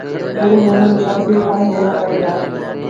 ايڙي نموٚني سڀ ٽي پآڻيٚ ڏيڻآݩ پئيٚن دآ۔